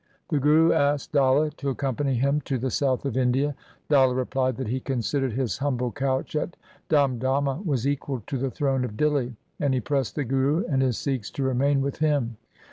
The Guru asked Dalla to accompany him to the south of India. Daha replied that he considered his humble couch at Damdama was equal to the throne of Dihli, and he pressed the Guru and his Sikhs to remain with him.